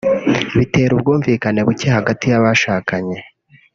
bitera ubwumvukane buke hagati y’abashakanye